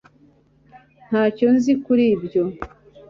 ntacyo nzi kuri ibyo